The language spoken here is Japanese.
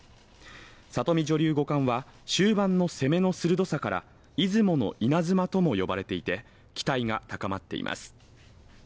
里見女流五冠は終盤の攻めの鋭さから出雲のイナズマとも呼ばれていて期待が高まっています